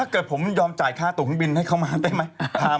ถ้าผมยอมจ่ายค่าตุ๊กบินพามาได้ไหม